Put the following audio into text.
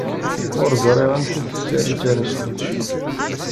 Ur ẓriɣ anta tasarut ara sqedceɣ.